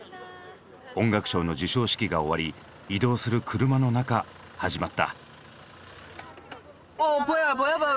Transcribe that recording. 音楽賞の授賞式が終わり移動する車の中始まった。